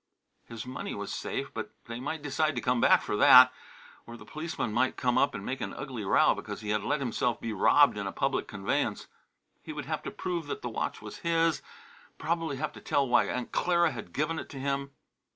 His money was safe, but they might decide to come back for that. Or the policeman might come up and make an ugly row because he had let himself be robbed in a public conveyance. He would have to prove that the watch was his; probably have to tell why Aunt Clara had given it to him.